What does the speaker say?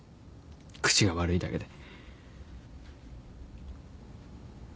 口が悪いだけで。